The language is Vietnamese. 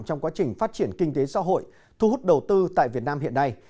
trong quá trình phát triển kinh tế xã hội thu hút đầu tư tại việt nam hiện nay